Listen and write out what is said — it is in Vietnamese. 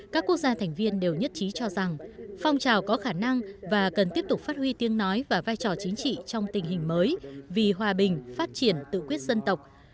các quốc gia thành viên đều nhất trí cho rằng phong trào có khả năng và cần tiếp tục phát huy tiếng nói và vai trò chính trị trong tình hình mới vì hòa bình phát triển tự quyết dân tộc